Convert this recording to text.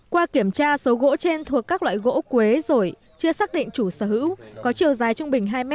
qua kiểm tra số gỗ trên thuộc các loại gỗ quế rồi chưa xác định chủ sở hữu có chiều dài trung bình hai m